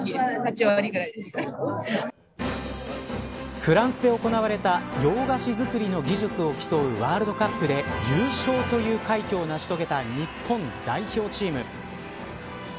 フランスで行われた洋菓子づくりの技術を競うワールドカップで優勝という快挙を成し遂げた日本代表チーム。